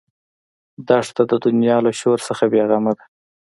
دښته د دنیا له شور نه بېغمه ده.